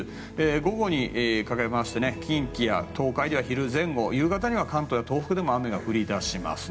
午後にかけまして近畿や東海では昼前後夕方には関東や東北でも雨が降り出します。